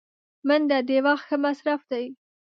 منډه د وخت ښه مصرف دی